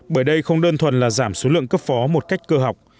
bởi đây không đơn thuần là giảm số lượng cấp phó một cách cơ học